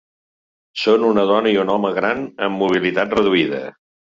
Són una dona i un home gran amb mobilitat reduïda.